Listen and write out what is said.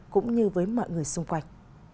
cũng như với mọi người xung quanh